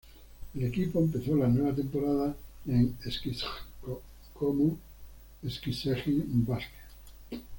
El equipo empezó la nueva temporada en Eskişehir como Eskişehir Basket.